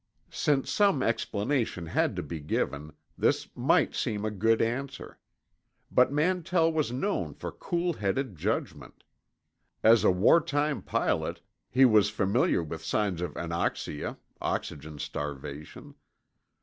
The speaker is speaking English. Since some explanation had to be given, this might seem a good answer. But Mantell was known for coolheaded judgment. As a wartime pilot, he was familiar with signs of anoxia (oxygen starvation).